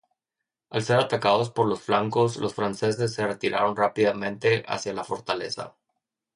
Al ser atacados por los flancos, los franceses se retiraron rápidamente hacia la fortaleza.